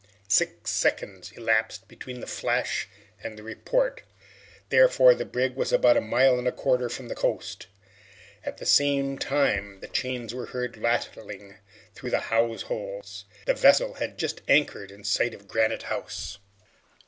Six seconds elapsed between the flash and the report. Therefore the brig was about a mile and a quarter from the coast. At the same time, the chains were heard rattling through the hawse holes. The vessel had just anchored in sight of Granite House!